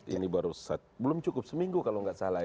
ini baru belum cukup seminggu kalau nggak salah ya